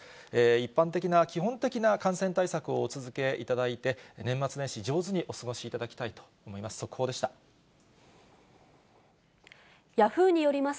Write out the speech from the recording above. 一般的な、基本的な感染対策をお続けいただいて、年末年始、上手にお過ごしいただきたいと思います。